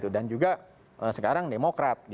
dan juga sekarang demokrat